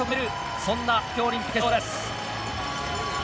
そんな東京オリンピックの決勝です。